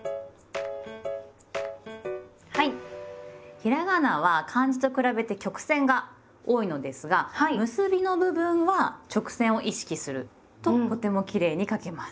ひらがなは漢字と比べて曲線が多いのですが結びの部分は直線を意識するととてもきれいに書けます。